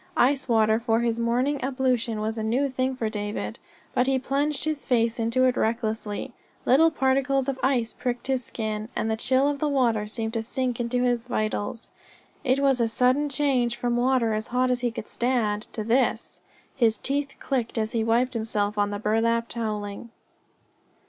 Ice water for his morning ablution was a new thing for David. But he plunged his face into it recklessly. Little particles of ice pricked his skin, and the chill of the water seemed to sink into his vitals. It was a sudden change from water as hot as he could stand to this. His teeth clicked as he wiped himself on the burlap towelling.